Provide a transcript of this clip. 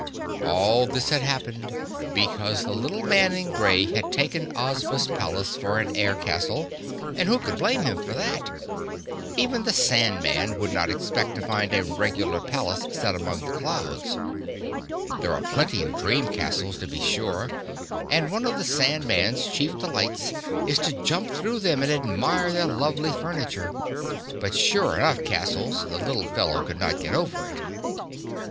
All this had happened because the little man in gray had taken Ozma's palace for an air castle, and who could blame him for that? Even the Sand Man would not expect to find a regular palace set among the clouds. There are plenty of dream castles, to be sure, and one of the Sand Man's chief delights is to jump through them and admire their lovely furniture. But sure enough castles—the little fellow could not get over it.